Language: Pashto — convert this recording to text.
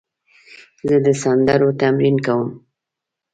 زه د سندرو تمرین کوم.